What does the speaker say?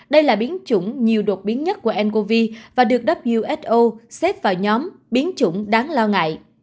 đây là biến chủng nhiều đột biến nhất của ncov và được who xếp vào nhóm biến chủng đáng lo ngại